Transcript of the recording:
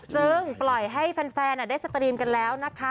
ซึ่งปล่อยให้แฟนได้สตรีมกันแล้วนะคะ